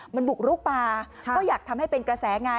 มันบุกลุกป่าก็อยากทำให้เป็นกระแสไง